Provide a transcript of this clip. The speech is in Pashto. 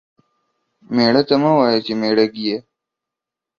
ميړه ته مه وايه چې ميړه گيه.